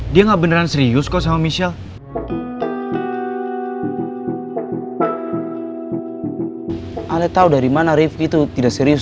dia nggak beneran serius kok sama michelle ale tahu dari mana riv itu tidak serius